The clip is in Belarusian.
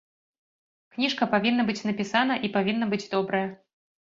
Кніжка павінна быць напісана і павінна быць добрая.